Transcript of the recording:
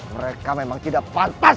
mereka memang tidak pantas